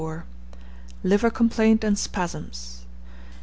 LIVER COMPLAINT AND SPASMS.